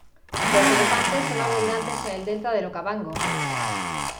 Los elefantes son abundantes en el delta del Okavango.